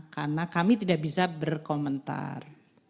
karena kami tidak bisa berkomentar